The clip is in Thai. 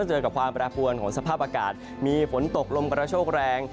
เจอกับความแปรปวนของสภาพอากาศมีฝนตกลมกระโชคแรง